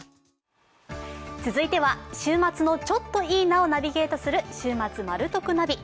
続いては週末のちょっといいなをナビゲートする「週末マル得ナビ」。